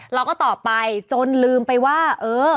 เราก็ตอบไปจนลืมไปว่าเออ